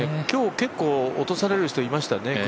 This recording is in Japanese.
今日、結構落とされる人いましたね。